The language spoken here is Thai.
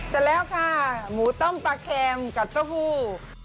เสร็จแล้วค่ะหมูต้มปลาแคมกับเต้าหู้